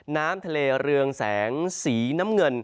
น้ำทะเลเรืองแสงสีน้ำเงิน